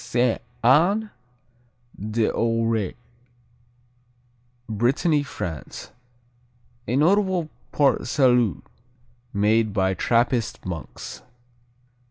Sainte Anne d'Auray Brittany, France A notable Port Salut made by Trappist monks.